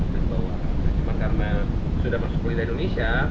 cuma karena sudah masuk ke lidah indonesia